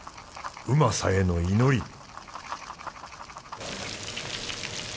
うまさへの祈り